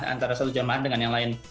antara satu jamaah dengan yang lain